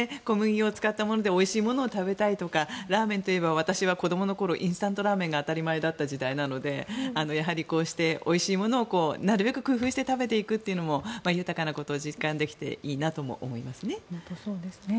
米粉を使ったものでおいしいものを食べたいとかラーメンといえば私の子どもの頃はインスタントラーメンが当たり前だった時代なのでやはりこうしておいしいものをなるべく工夫して食べていくのも豊かなことを実感できていいなと思いますね。